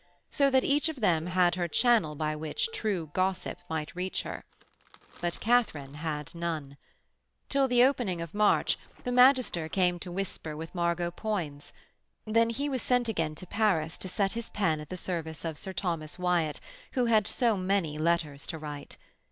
So that each of them had her channel by which true gossip might reach her. But Katharine had none. Till the opening of March the magister came to whisper with Margot Poins then he was sent again to Paris to set his pen at the service of Sir Thomas Wyatt, who had so many letters to write.